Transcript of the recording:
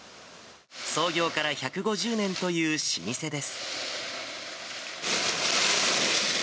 創業から１５０年という老舗です。